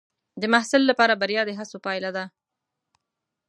د محصل لپاره بریا د هڅو پایله ده.